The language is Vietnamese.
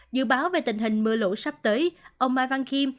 dự báo về tình hình mưa lụt sắp tới ông mai văn kim